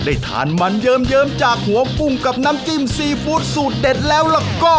ทานมันเยิมจากหัวกุ้งกับน้ำจิ้มซีฟู้ดสูตรเด็ดแล้วล่ะก็